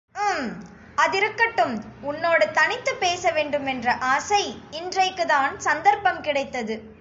உம், அதிருக்கட்டும் உன்னோடு தனித்துப் பேசவேண்டுமென்ற ஆசை, இன்றைக்குத்தான் சந்தர்ப்பம் கிடைத்தது.